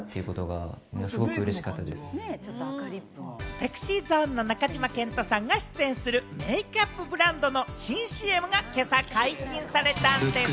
ＳｅｘｙＺｏｎｅの中島健人さんが出演するメイクアップブランドの新ＣＭが今朝、解禁されたんでぃす。